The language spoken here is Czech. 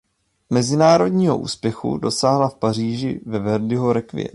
Mezinárodního úspěchu dosáhla v Paříži ve Verdiho Rekviem.